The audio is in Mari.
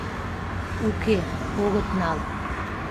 Уке, огыт нал.